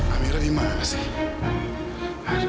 amirah dimana sih